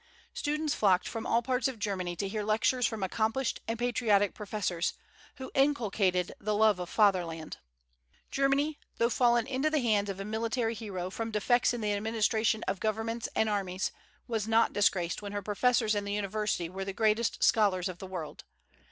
Students flocked from all parts of Germany to hear lectures from accomplished and patriotic professors, who inculcated the love of fatherland. Germany, though fallen into the hands of a military hero from defects in the administration of governments and armies, was not disgraced when her professors in the university were the greatest scholars of the world.